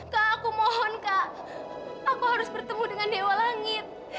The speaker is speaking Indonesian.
kak aku mohon kak aku harus bertemu dengan dewa langit